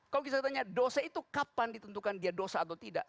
kalau kita tanya dosa itu kapan ditentukan dia dosa atau tidak